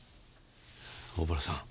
大洞さん